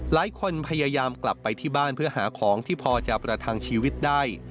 พยายามกลับไปที่บ้านเพื่อหาของที่พอจะประทังชีวิตได้